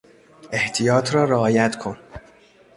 احتیاط را رعایت کن!